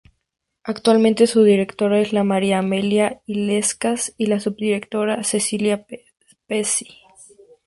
Actualmente su Directora es la María Amelia Illescas, y la subdirectora Cecilia Pesci.